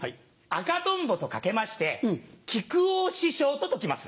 赤とんぼと掛けまして木久扇師匠と解きます。